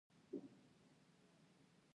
د اسنادو لپاره باید د وکیل سره خبرې وکړې